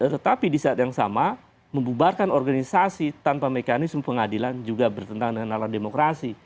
tetapi di saat yang sama membubarkan organisasi tanpa mekanisme pengadilan juga bertentangan dengan alam demokrasi